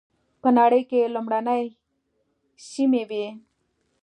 په نړۍ کې لومړنۍ سیمې وې.